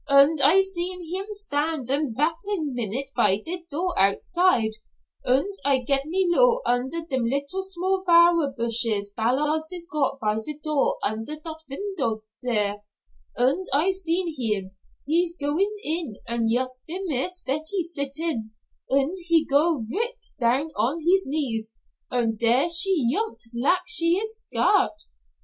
Und I seen heem stand und vaitin' minute by der door outside, und I get me low under dem little small flowers bushes Ballards is got by der door under dot vindow dere, und I seen heem, he goin' in, and yust dere is Mees Betty sittin', und he go quvick down on hees knees, und dere she yump lak she is scairt.